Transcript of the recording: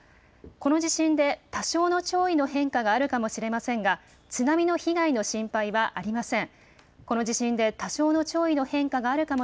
この地震で多少の潮位の変化があるかもしれませんが津波の被害の心配はありません。